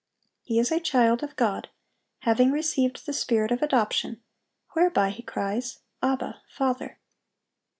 He is a child of God, having received the spirit of adoption, whereby he cries, "Abba, Father!"